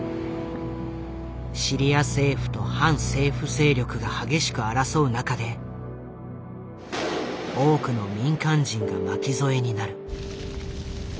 シリア政府と反政府勢力が激しく争う中で多くの民間人が巻き添えになる。